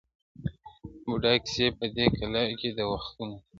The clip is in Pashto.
بوډا کیسې په دې قلا کي د وختونو کوي!